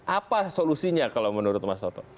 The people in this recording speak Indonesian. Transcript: apa solusinya kalau menurut mas toto